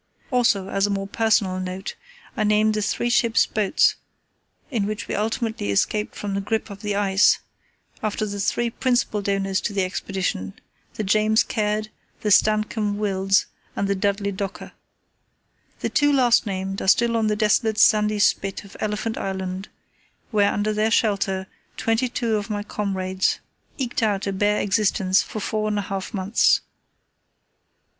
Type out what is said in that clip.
Also, as a more personal note, I named the three ship's boats, in which we ultimately escaped from the grip of the ice, after the three principal donors to the Expedition—the James Caird, the Stancomb Wills and the Dudley Docker. The two last named are still on the desolate sandy spit of Elephant Island, where under their shelter twenty two of my comrades eked out a bare existence for four and a half months.